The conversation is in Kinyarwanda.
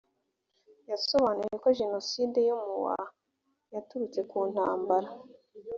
yasobanuye ko jenoside yo mu wa yaturutse ku ntambara